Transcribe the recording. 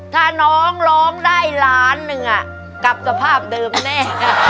ถ้าน้องร้องได้ล้านหนึ่งกลับสภาพเดิมแน่